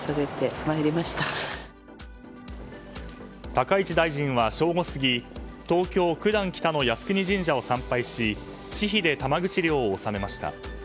高市大臣は正午過ぎ東京・九段北の靖国神社を参拝し私費で玉串料を納めました。